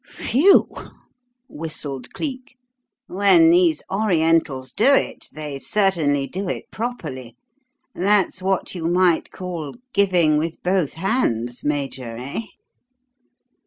"Phew!" whistled Cleek. "When these Orientals do it they certainly do it properly. That's what you might call 'giving with both hands,' Major, eh?"